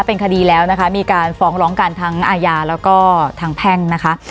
เป็นคดีแล้วนะคะมีการฟ้องร้องกันทั้งอาญาแล้วก็ทางแพ่งนะคะ